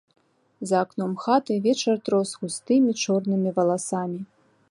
За акном хаты вечар трос густымі чорнымі валасамі.